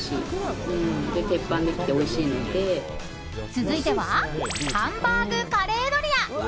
続いてはハンバーグカレードリア。